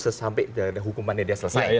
sampai hukumannya dia selesai